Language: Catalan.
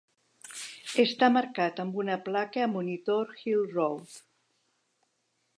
Està marcat amb una placa a Monitor Hill Road.